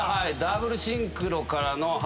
ダブルシンクロからの。